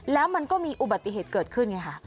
แล้วมันก็มีอุบัติเหตุเกิดขึ้นไงค่ะ